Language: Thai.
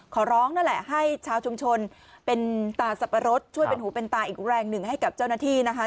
ขอร้องนั่นแหละให้ชาวชุมชนเป็นตาสับปะรดช่วยเป็นหูเป็นตาอีกแรงหนึ่งให้กับเจ้าหน้าที่นะคะ